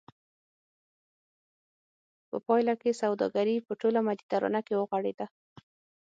په پایله کې سوداګري په ټوله مدیترانه کې وغوړېده